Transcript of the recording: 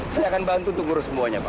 saya akan bantu untuk ngurus semuanya pak